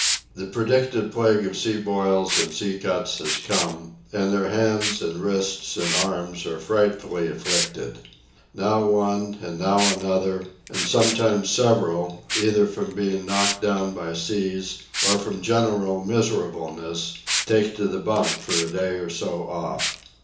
The predicted plague of sea boils and sea cuts has come, and their hands and wrists and arms are frightfully afflicted. Now one, and now another, and sometimes several, either from being knocked down by seas or from general miserableness, take to the bunk for a day or so off.